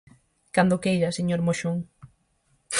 Cando queira, señor Moxón.